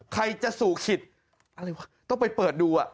ใครจะสู่ขิตอะไรวะต้องไปเปิดดู